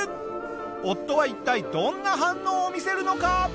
夫は一体どんな反応を見せるのか？